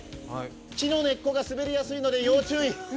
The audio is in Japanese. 木の根っこが滑りやすいので要注意。